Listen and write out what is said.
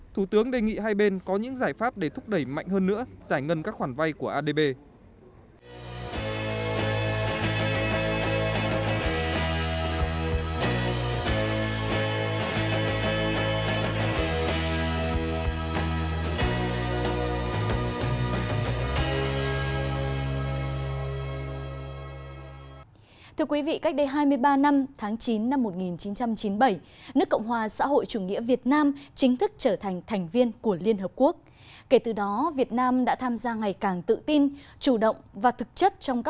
thủ tướng đề nghị hai bên có những giải pháp để thúc đẩy mạnh hơn nữa giải ngân các khoản vay của adb